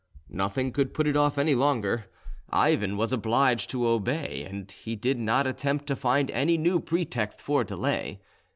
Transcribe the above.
Nothing could put it off any longer: Ivan was obliged to obey, and he did not attempt to find any new pretext for delay.